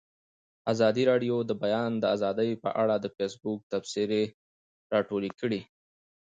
ازادي راډیو د د بیان آزادي په اړه د فیسبوک تبصرې راټولې کړي.